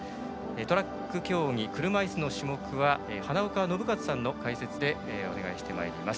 トラック競技、車いすの種目は花岡伸和さんの解説でお願いしてまいります。